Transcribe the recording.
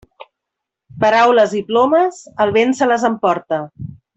Paraules i plomes, el vent se les emporta.